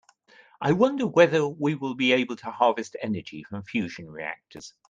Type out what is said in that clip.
I wonder whether we will be able to harvest energy from fusion reactors.